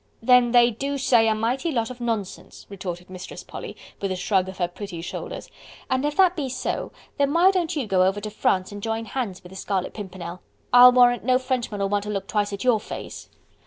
"Then they do say a mighty lot of nonsense," retorted Mistress Polly, with a shrug of her pretty shoulders, "and if that be so, then why don't you go over to France and join hands with the Scarlet Pimpernel? I'll warrant no Frenchman'll want to look twice at your face."